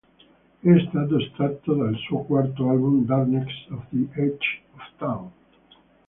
È stato estratto dal suo quarto album "Darkness on the Edge of Town".